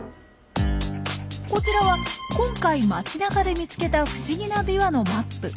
こちらは今回街なかで見つけた不思議なビワのマップ。